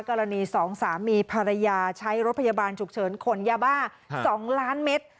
กรณีสองสามีภรรยาใช้รถพยาบาลฉุกเฉินขนยาบ้า๒ล้านเมตร